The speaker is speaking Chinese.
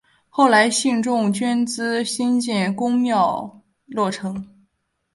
后来信众捐资兴建宫庙落成。